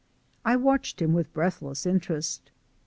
I watched him with breathless interest.